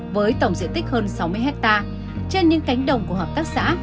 với tổng diện tích hơn sáu mươi hectare trên những cánh đồng của hợp tác xã